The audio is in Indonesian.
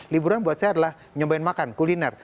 liburan buat saya adalah nyobain makan kuliner